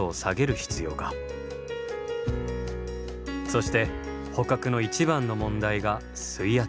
そして捕獲の一番の問題が水圧。